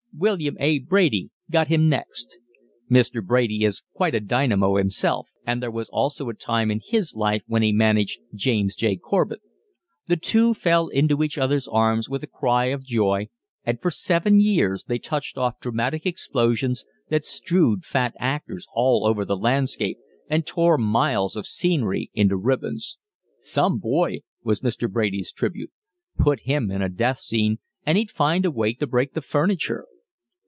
William A. Brady got him next. Mr. Brady is quite a dynamo himself, and there was also a time in his life when he managed James J. Corbett. The two fell into each other's arms with a cry of joy, and for seven years they touched off dramatic explosions that strewed fat actors all over the landscape and tore miles of scenery into ribbons. "Some boy!" was Mr. Brady's tribute. "Put him in a death scene, and he'd find a way to break the furniture."